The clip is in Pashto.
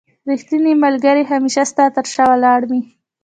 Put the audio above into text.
رښتينی ملګري هميشه ستا تر شا ولاړ وي.